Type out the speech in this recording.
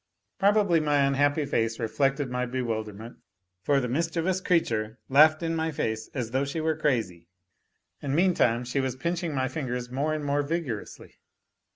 Probably my unhappy face reflected my bewilderment, for the mischievous creature laughed in my face, as though she were crazy, and meantime she was pinching my fingers more and more vigorously.